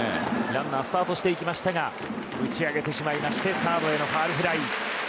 ランナースタートしていきましたが打ち上げてしまってサードへのファウルフライ。